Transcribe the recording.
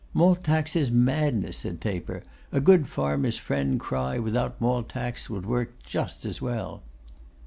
'Malt Tax is madness,' said Taper. 'A good farmer's friend cry without Malt Tax would work just as well.